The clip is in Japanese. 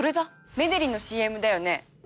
メデリのＣＭだよね？